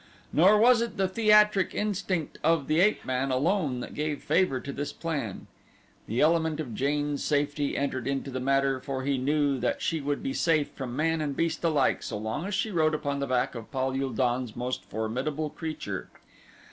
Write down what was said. Nor was it the theatric instinct of the ape man alone that gave favor to this plan. The element of Jane's safety entered into the matter for he knew that she would be safe from man and beast alike so long as she rode upon the back of Pal ul don's most formidable creature.